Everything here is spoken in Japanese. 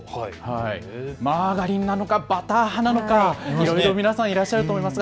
マーガリン派なのかバター派なのかいろいろ皆さんいらっしゃると思います。